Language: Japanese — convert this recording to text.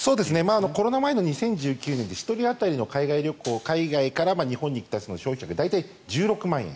コロナ前の２０１９年で１人当たりの海外から日本に来た人の消費額が大体１６万円。